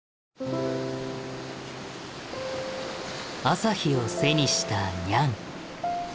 朝日を背にしたニャン。